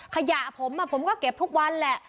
ขยะผมผมก็เก็บทุกวันแหละ